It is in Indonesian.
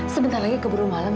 sebentar lagi ke burung malam